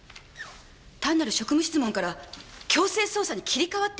単なる職務質問から強制捜査に切り替わってます。